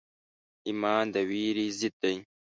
ایمان د ویرې ضد دی.